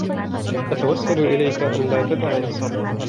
أتوسل إليك أن لا تدعني!